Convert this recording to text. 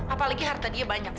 apalagi harta dia banyak